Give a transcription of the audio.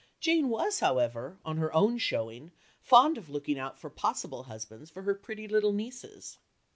Jane was, however, on her own showing, fond of looking out for possible husbands for her pretty little nieces.